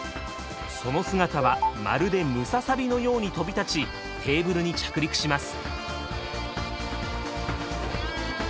その姿はまるでムササビのように飛び立ちテーブルに着陸します。